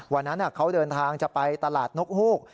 วันนั้นเขาเดินทางจะไปตลาดนกฮูก